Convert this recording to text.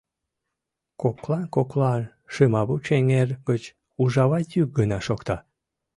Коклан-коклан Шымавуч эҥер гыч ужава йӱк гына шокта.